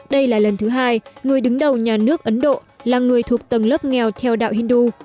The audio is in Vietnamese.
đây là lần thứ hai người đứng đầu nhà nước ấn độ là người thuộc tầng lớp nghèo theo đạo hindu